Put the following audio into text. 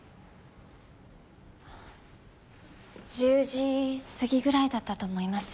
１０時過ぎぐらいだったと思います。